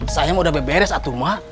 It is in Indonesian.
sayang udah beres atuma